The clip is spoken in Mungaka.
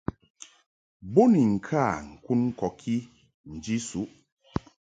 Bo ni ŋka ŋkun kɔki nji suʼ.